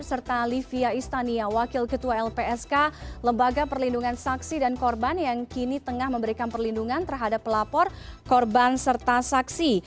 serta livia istania wakil ketua lpsk lembaga perlindungan saksi dan korban yang kini tengah memberikan perlindungan terhadap pelapor korban serta saksi